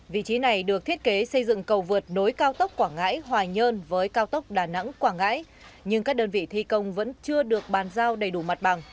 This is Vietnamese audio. vị trí này được thiết kế xây dựng cầu vượt nối cao tốc quảng ngãi hòa nhơn với cao tốc đà nẵng quảng ngãi nhưng các đơn vị thi công vẫn chưa được bàn giao đầy đủ mặt bằng